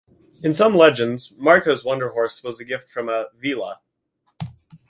In some legends, Marko's wonder horse was a gift from a "vila".